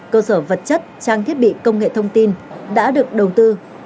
cơ sở vật chất trang thiết bị công nghệ thông tin đã được đầu tư